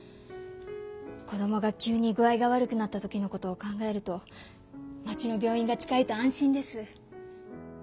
こどもが急に具合が悪くなったときのことを考えると町の病院が近いと安心です。